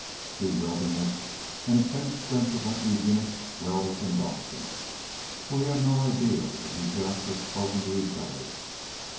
Bewilderment and a faint sense of uneasiness welled up in Dawson, for he had no idea what the two Japs had spoken to each other.